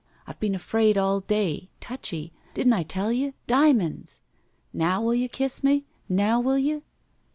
I've been afraid all day. Touchy! Didn't I tell you? Diamonds! Now will you kiss me? Now will you?"